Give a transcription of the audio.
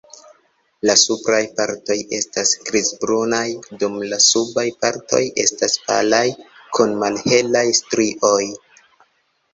La supraj partoj estas grizbrunaj dum la subaj partoj estas palaj kun malhelaj strioj.